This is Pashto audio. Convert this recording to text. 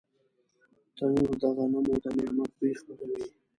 تنور د غنمو د نعمت بوی خپروي